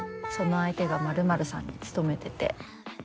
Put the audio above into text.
その相手がまるまるさんに勤めてて。